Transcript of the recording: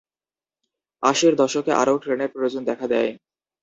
আশির দশকে আরও ট্রেনের প্রয়োজন দেখা দেয়।